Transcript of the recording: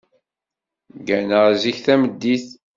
Gganeɣ zik tameddit.